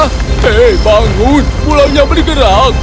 hei bangun pulau ini bergerak